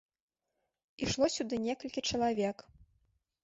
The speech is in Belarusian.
Ішло сюды некалькі чалавек.